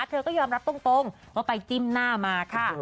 เธอก็ยอมรับตรงว่าไปจิ้มหน้ามาค่ะ